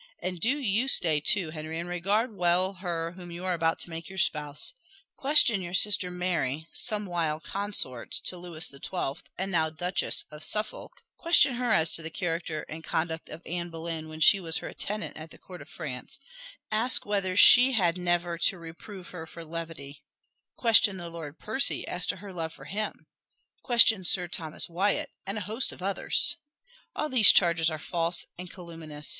And do you stay too, Henry, and regard well her whom you are about to make your spouse. Question your sister Mary, somewhile consort to Louis the Twelfth and now Duchess of Suffolk question her as to the character and conduct of Anne Boleyn when she was her attendant at the court of France ask whether she had never to reprove her for levity question the Lord Percy as to her love for him question Sir Thomas Wyat, and a host of others." "All these charges are false and calumnious!"